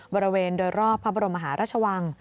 บริเวณโดยรอบพระบรมมหาราชวัง